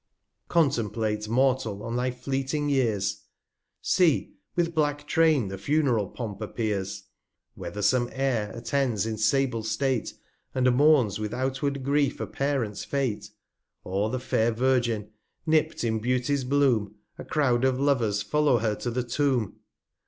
Contemplate, Mortal, on thy fleeting Years; 225 See, with black Train the Funeral Pomp appears ! Whether some Heir attends in sable State, And mourns with outward Grief a Parent's Fate; Or the fair Virgin, nipt in Beauty's Bloom, A Croud of Lovers follow to her Tomb.